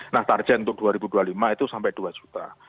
nah target untuk dua ribu dua puluh lima itu sampai dua juta